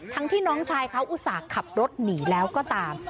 ที่น้องชายเขาอุตส่าห์ขับรถหนีแล้วก็ตาม